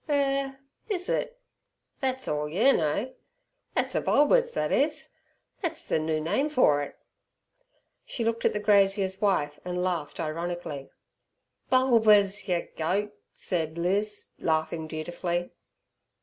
"Er, is it? Thet's orl yer know. Thet's a bulbers, thet is. Thet's ther noo name fer it." She looked at the grazier's wife and laughed ironically. "Bulbers! yer goat," said Liz, laughing dutifully.